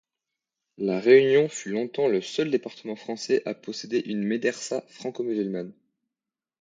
La Réunion fut longtemps le seul département français à posséder une médersa franco-musulmane.